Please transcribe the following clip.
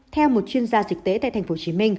theo một chuyên gia dịch tễ tại tp hcm